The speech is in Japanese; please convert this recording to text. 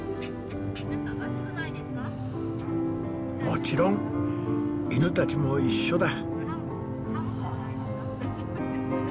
もちろん犬たちも一緒だ。